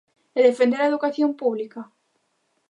E defender a educación pública?